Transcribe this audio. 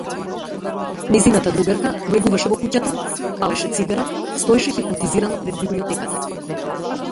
Нејзината другарка влегуваше во куќата, палеше цигара, стоеше хипнотизирано пред библиотеката.